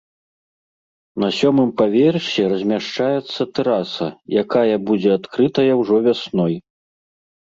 На сёмым паверсе размяшчаецца тэраса, якая будзе адкрытая ўжо вясной.